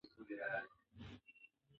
دا د لښتې او انارګل د مینې کیسه وه.